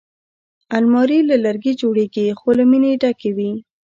الماري له لرګي جوړېږي خو له مینې ډکې وي